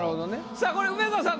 さあこれ梅沢さん